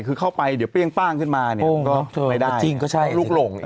คือเข้าไปเดี๋ยวเปรี้ยงป้างขึ้นมาเนี่ยก็ไม่ได้จริงก็ใช่ลูกหลง